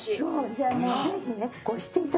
じゃあもうぜひね。